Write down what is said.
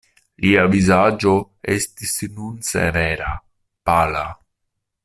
Lia vizaĝo estis nun severa, pala.